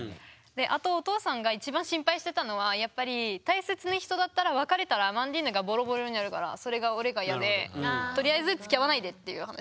であとお父さんが一番心配してたのはやっぱり大切な人だったら別れたらアマンディーヌがボロボロになるからそれが俺が嫌でとりあえずつきあわないでっていう話。